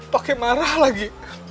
pake marah lagi